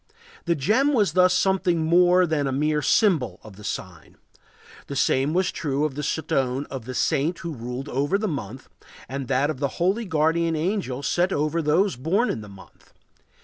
The gem was thus something more than a mere symbol of the sign. The same was true of the stone of the saint who ruled the month and that of the holy guardian angel set over those born in the month.